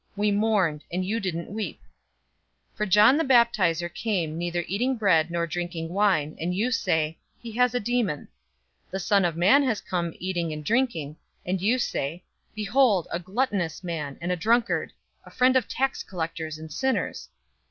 We mourned, and you didn't weep.' 007:033 For John the Baptizer came neither eating bread nor drinking wine, and you say, 'He has a demon.' 007:034 The Son of Man has come eating and drinking, and you say, 'Behold, a gluttonous man, and a drunkard; a friend of tax collectors and sinners!'